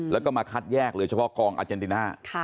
แล้วก็มาคัดแยกเลยเฉพาะกองอาเจนติน่า